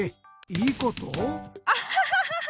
アハハハハ！